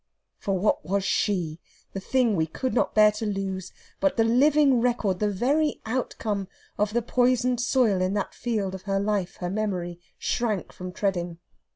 For what was she, the thing we could not bear to lose, but the living record, the very outcome, of the poisoned soil in that field of her life her memory shrank from treading?